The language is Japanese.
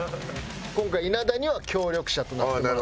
今回稲田には協力者となってもらって。